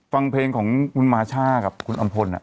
ฟังเพลงของคุณมาช่ากับคุณอำพล